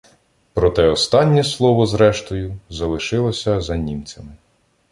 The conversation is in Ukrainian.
Проте останнє слово, зрештою, залишилося за німцями.